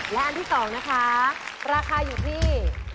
และราคาอยู่ที่